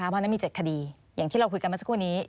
เพราะฉะนั้นมี๗คดีอย่างที่เราคุยกันมาสักครู่นี้